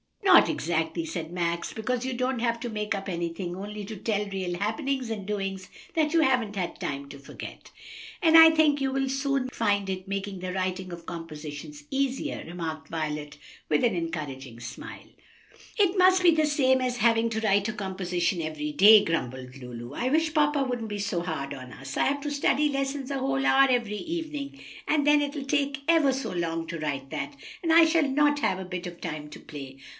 "No, not exactly," said Max; "because you don't have to make up anything, only to tell real happenings and doings that you haven't had time to forget." "And I think you will soon find it making the writing of compositions easier," remarked Violet, with an encouraging smile. "It'll be just the same as having to write a composition every day," grumbled Lulu. "I wish papa wouldn't be so hard on us. I have to study lessons a whole hour every evening, and then it'll take ever so long to write that, and I shall not have a bit of time to play."